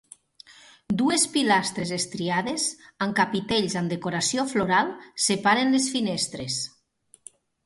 Dues pilastres estriades, amb capitells amb decoració floral, separen les finestres.